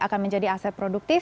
akan menjadi aset produktif